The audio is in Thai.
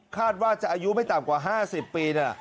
คาดว่าจะอายุไม่ต่ำกว่า๕๐ปี